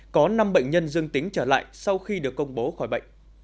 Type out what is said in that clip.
có năm bệnh nhân dương tính trở lại sau khi được công bố khỏi bệnh